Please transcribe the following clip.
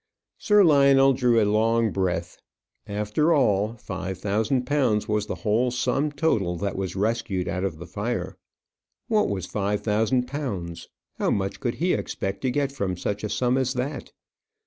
Sir Lionel drew a long breath. After all, five thousand pounds was the whole sum total that was rescued out of the fire. What was five thousand pounds? How much could he expect to get from such a sum as that?